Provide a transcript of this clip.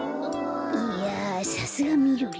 いやさすがみろりん。